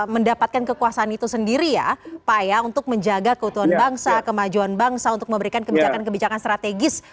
mendapatkan kekuasaan itu sendiri ya pak ya untuk menjaga keutuhan bangsa kemajuan bangsa untuk memberikan kebijakan kebijakan strategis